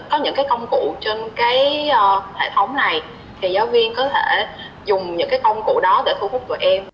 giáo viên có thể dùng những công cụ đó để thu hút tụi em